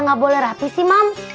nggak boleh rapi sih mam